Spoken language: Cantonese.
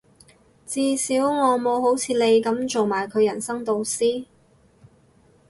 至少我冇好似你噉做埋佢人生導師